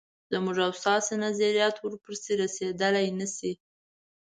زموږ او ستاسو نظریات ورپسې رسېدلای نه شي.